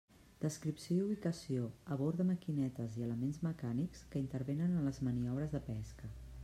Descripció i ubicació a bord de maquinetes i elements mecànics que intervenen en les maniobres de pesca.